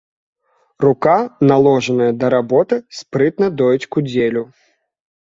Рука, наложаная да работы, спрытна доіць кудзелю.